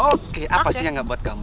oke apa sih yang gak buat kamu